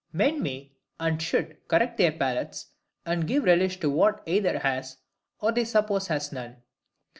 Men may and should correct their palates, and give relish to what either has, or they suppose has none.